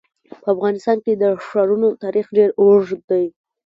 په افغانستان کې د ښارونو تاریخ ډېر اوږد دی.